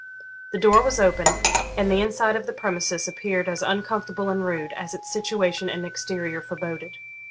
The door was open, and the inside of the premises appeared as uncomfortable and rude as its situation and exterior foreboded.